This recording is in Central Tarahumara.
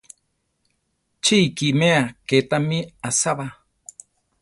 ¡Chí ikiméa ké támi asába!